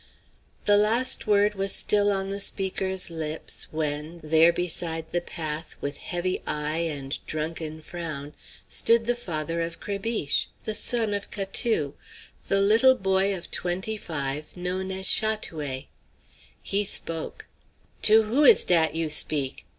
The last word was still on the speaker's lips, when there beside the path, with heavy eye and drunken frown, stood the father of Crébiche, the son of Catou, the little boy of twenty five known as Chat oué. He spoke: "To who is dat you speak?